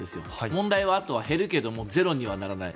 問題はあとは、減るけどもゼロにはならない。